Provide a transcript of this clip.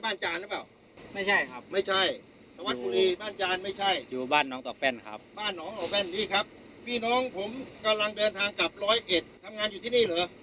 ทำงานอยู่ที่นี่หรือ